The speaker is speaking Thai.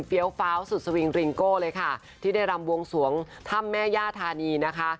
ฟ้าวสุดสวิงริงโก้เลยค่ะที่ได้รำวงสวงถ้ำแม่ย่าธานีนะคะ